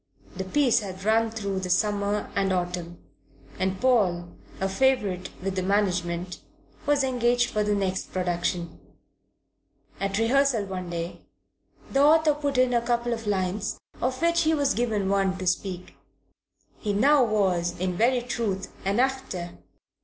The piece had run through the summer and autumn, and Paul, a favourite with the management, was engaged for the next production. At rehearsal one day the author put in a couple of lines, of which he was given one to speak. He now was in very truth an actor.